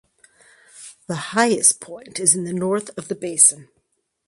The highest point is in the north of the basin.